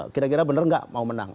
kira kira benar nggak mau menang